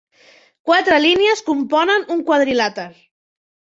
Quatre línies componen un quadrilàter.